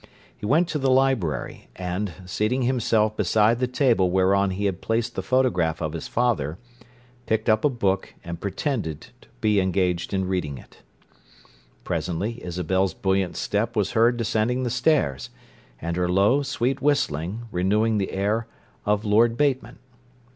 He went to the library, and, seating himself beside the table whereon he had placed the photograph of his father, picked up a book, and pretended to be engaged in reading it. Presently Isabel's buoyant step was heard descending the stairs, and her low, sweet whistling, renewing the air of "Lord Bateman."